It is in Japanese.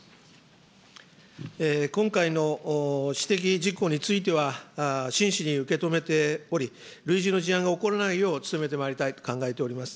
今回の指摘事項については真摯に受け止めており、類似の事案が起こらないよう、努めてまいりたいと考えております。